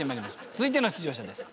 続いての出場者です。